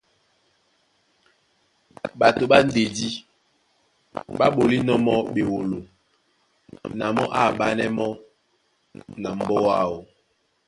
Ɓato ɓá ndedí ɓá ɓolínɔ̄ mɔ́ ɓewolo na mɔ́ á aɓánɛ́ mɔ́ na mbɔ́ áō.